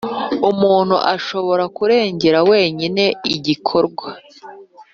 Umuntu ashobora kuregera wenyine igikorwa